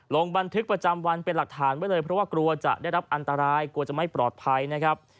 ลงบันทึกประจำวันเป็นหลักฐานไว้เลยเพราะว่ากลัวจะได้รับอันตรายกลัวจะไม่ปลอดภัยนะครับ